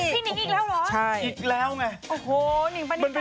พี่นิงอีกแล้วเหรอโอ้โหนิงปณิตา